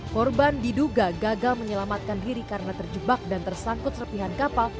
korban diduga gagal menyelamatkan diri karena terjebak dan tersangkut serpihan kapal